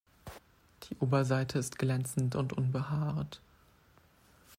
Die Oberseite ist glänzend und unbehaart.